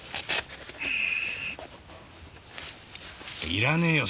いらねえよ